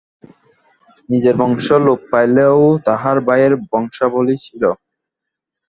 নিজের বংশ লোপ পাইলেও তাঁহার ভাইয়ের বংশাবলী ছিল।